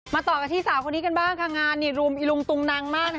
มาต่อกับที่สาวคนนี้กับบ้างงานนี่หลวงตุงนั้งมาก